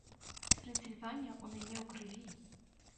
Трансільванія ў мяне ў крыві.